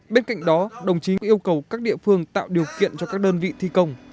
bên cạnh đó đồng chí nguyễn xuân phúc yêu cầu các địa phương tạo điều kiện cho các đơn vị thi công